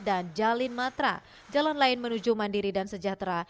dan jalin matra jalan lain menuju mandiri dan sejahtera